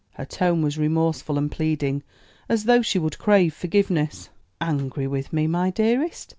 Her tone was remorseful and pleading, as though she would crave forgiveness. "Angry with me, my dearest?